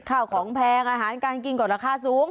ข้าวของแพงอาหารการกินก็ราคาสูง